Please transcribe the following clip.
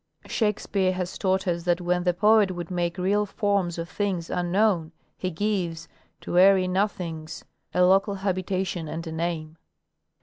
Shakespeare has taught us that when the poet would make real " Forms of things unknown," he gives To airy nothings A local habitation and a name.